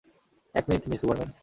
এক minute, miss Huberman.